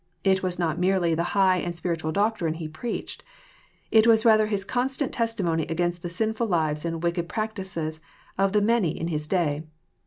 It was not merely the high and spiritaal doctrine He preached. It was rather His constant testimony against tbe sinnil lives and wicked practices of the many in His day.